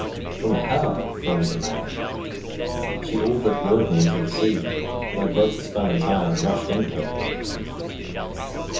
' From her,' groaned the man. ' She all but lured me into the sea, but I broke the spell in time, and rushed in here.'